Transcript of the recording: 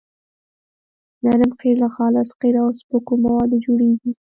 نرم قیر له خالص قیر او سپکو موادو جوړیږي